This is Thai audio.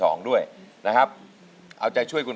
เพลงนี้สี่หมื่นบาทเอามาดูกันนะครับ